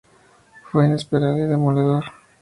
Fue inesperado y demoledor.